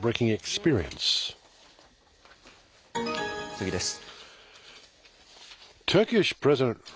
次です。